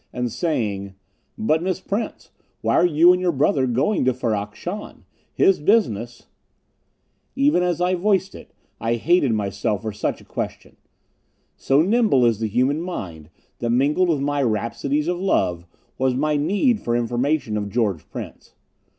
And saying: "But Miss Prince, why are you and your brother going to Ferrok Shahn? His business " Even as I voiced it, I hated myself for such a question. So nimble is the human mind that mingled with my rhapsodies of love was my need for information of George Prince....